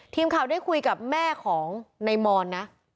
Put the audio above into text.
ทีมข่าวได้คุยกับแม่ของนายมอนนะ